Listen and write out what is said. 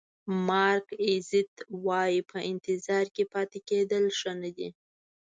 مارک ایزت وایي په انتظار کې پاتې کېدل ښه نه دي.